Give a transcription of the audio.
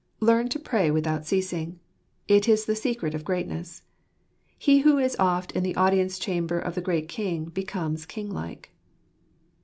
Learn to pray without i4° JFatter. ceasing. It is the secret of greatness. He who is oft in the audience chamber of the great King becomes kinglike.